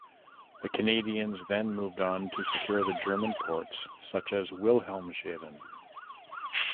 The Canadians then moved on to secure the German ports such as Wilhelmshaven.